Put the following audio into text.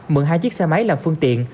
mượn hai chiếc xe máy làm phương tiện